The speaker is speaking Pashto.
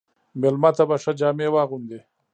مېلمه ته به ښه جامې واغوندې.